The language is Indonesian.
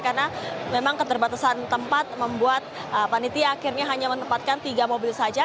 karena memang keterbatasan tempat membuat panitia akhirnya hanya menempatkan tiga mobil saja